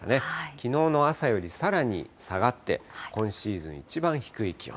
きのうの朝よりさらに下がって、今シーズンいちばん低い気温。